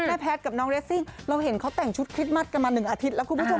แพทย์กับน้องเรสซิ่งเราเห็นเขาแต่งชุดคริสต์มัสกันมา๑อาทิตย์แล้วคุณผู้ชม